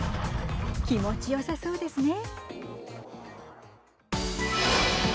気持ちよさそうですね。